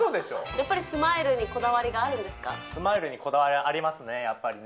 やっぱりスマイルにこだわりスマイルにこだわりありますね、やっぱりね。